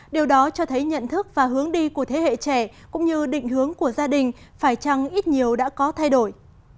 điều đó cho thấy nhận thức và hướng đi của thế hệ trẻ cũng như định hướng của gia đình phải chăng ít nhiều đã có thay đổi